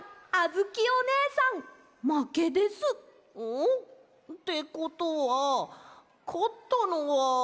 ん？ってことはかったのは。